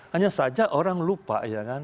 hanya saja orang lupa